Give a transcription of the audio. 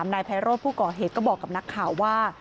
นายไพโรธผู้ก่อเหตุก็บอกกับนักข่าวว่า